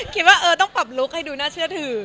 คิดว่าเออต้องปรับลุคให้ดูน่าเชื่อถือ